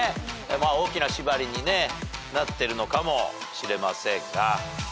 大きな縛りになってるのかもしれませんが。